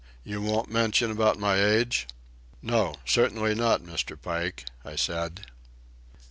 You won't mention about my age?" "No, certainly not, Mr. Pike," I said.